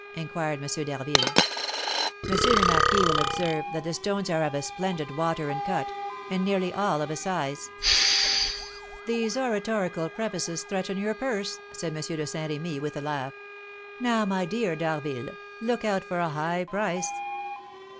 inquired M. d'Harville. "M. le Marquis will observe that the stones are of a splendid water and cut, and nearly all of a size." "These oratorical prefaces threaten your purse," said M. de Saint Remy, with a laugh. "Now, my dear D'Harville, look out for a high price."